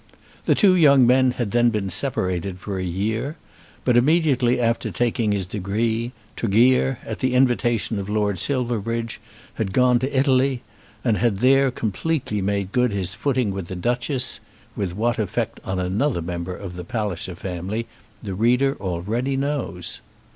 The two young men had then been separated for a year; but immediately after taking his degree, Tregear, at the invitation of Lord Silverbridge, had gone to Italy, and had there completely made good his footing with the Duchess, with what effect on another member of the Palliser family the reader already knows.